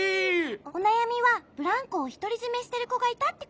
おなやみはブランコをひとりじめしてるこがいたってことね。